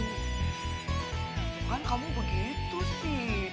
bukan kamu begitu sih